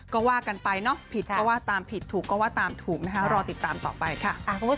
ก็ว่ากันไปเนาะผิดก็ว่าตามผิดถูกก็ว่าตามถูกนะคะรอติดตามต่อไปค่ะ